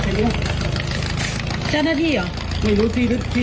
คือผมไม่ได้มาเรียกเก็บผมเพื่อมาเจ้งพวกพี่